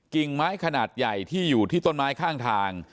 กิ่งไม้ขนาดใหญ่ที่อยู่ที่ต้นไม้ข้างทาง